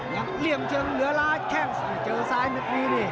อย่างเลี่ยงเชิงเหลือละแค่เจอซ้ายมัดรีดิ